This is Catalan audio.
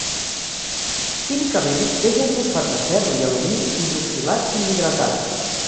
Químicament és un fosfat de ferro i alumini, hidroxilat i hidratat.